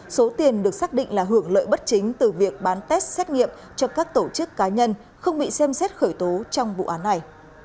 số tiền được xác định là hưởng lợi bất chính từ việc bán test xét nghiệm cho các tổ chức cá nhân không bị xem xét khởi tố trong vụ án này